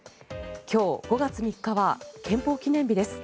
今日、５月３日は憲法記念日です。